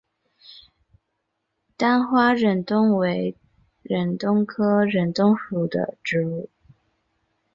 单花忍冬为忍冬科忍冬属的植物。